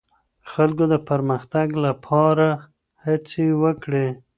خلګو د پرمختګ لپاره هڅې وکړې.